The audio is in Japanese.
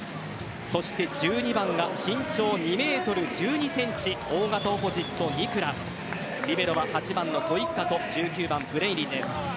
そして１２番が身長２ｍ１２ｃｍ大型オポジット・ニクラリベロは８番のコイッカと１９番・ブレイリンです。